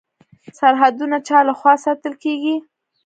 سرحدونه چا لخوا ساتل کیږي؟